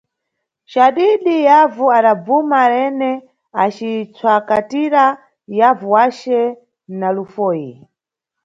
Cadidi yavu adabvuma Rene acimʼsvakatira yavu wace na lufoyi.